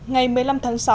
ngày một mươi năm tháng sáu